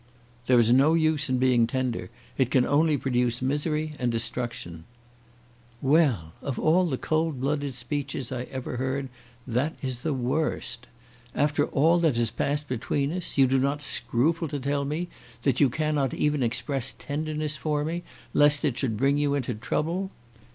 "There is no use in being tender. It can only produce misery and destruction." "Well; of all the cold blooded speeches I ever heard, that is the worst. After all that has passed between us, you do not scruple to tell me that you cannot even express tenderness for me, lest it should bring you into trouble!